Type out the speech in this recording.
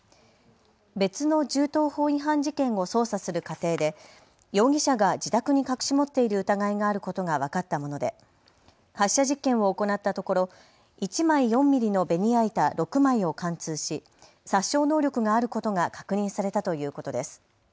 別の銃刀法違反事件を捜査する過程で容疑者が自宅に隠し持っている疑いがあることが分かったもので発射実験を行ったところ、１枚４ミリのベニヤ板６枚を貫通し殺傷能力があることが確認されたということです。